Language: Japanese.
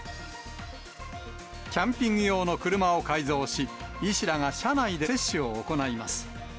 キャンピング用の車を改造し、医師らが車内で接種を行います。